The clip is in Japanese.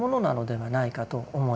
はい。